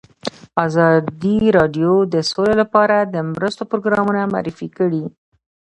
ازادي راډیو د سوله لپاره د مرستو پروګرامونه معرفي کړي.